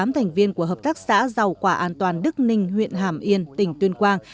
một mươi thành viên của hợp tác xã giàu quả an toàn đức ninh huyện hàm yên tỉnh tuyên quang